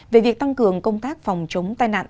về việc tăng cường công tác phòng chống tai nạn